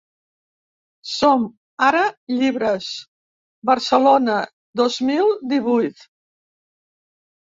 Som-Ara llibres, Barcelona, dos mil divuit.